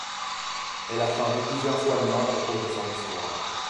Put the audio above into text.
Elle a changé plusieurs fois de nom au cours de son histoire.